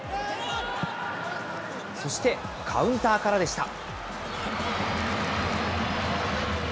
そしてカウンターからでした。